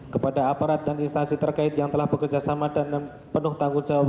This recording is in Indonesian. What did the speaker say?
kepada aparat dan instansi terkait yang telah bekerjasama dan penuh tanggung jawab